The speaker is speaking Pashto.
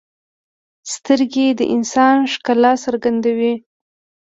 سترګې د انسان ښکلا څرګندوي